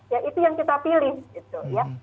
ya itu yang kita pilih